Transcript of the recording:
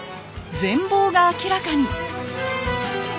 全貌が明らかに！